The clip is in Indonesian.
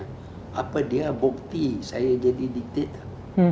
apa dia bukti saya jadi diktator